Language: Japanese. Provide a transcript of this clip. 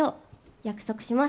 約束します。